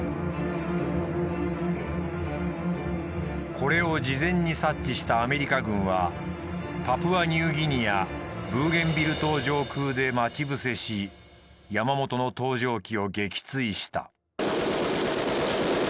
これを事前に察知したアメリカ軍はパプアニューギニアブーゲンビル島上空で待ち伏せし山本の搭乗機を撃墜した。